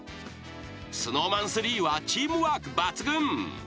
［ＳｎｏｗＭａｎ３はチームワーク抜群］